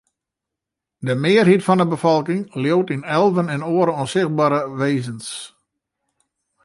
De mearheid fan de befolking leaut yn elven en oare ûnsichtbere wêzens.